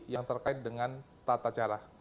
yang terkait dengan tata cara